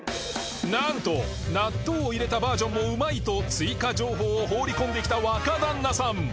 なんと納豆を入れたバージョンもうまいと追加情報を放り込んできた若旦那さん